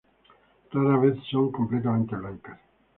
Rara vez son completamente blancas.